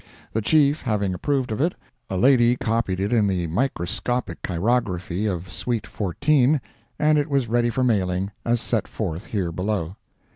The Chief having approved of it, a lady copied it in the microscopic chirography of sweet fourteen, and it was ready for mailing, as set forth here below.